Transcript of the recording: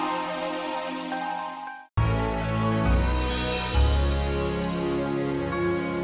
aku akan menghukumu